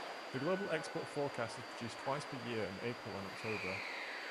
The Global Export Forecast is produced twice per year in April and October.